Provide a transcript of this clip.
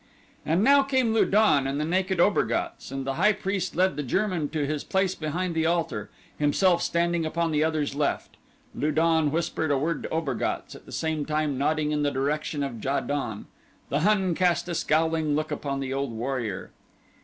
And now came Lu don and the naked Obergatz, and the high priest led the German to his place behind the altar, himself standing upon the other's left. Lu don whispered a word to Obergatz, at the same time nodding in the direction of Ja don. The Hun cast a scowling look upon the old warrior.